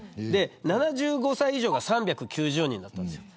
７５歳以上が３９０人だったんです。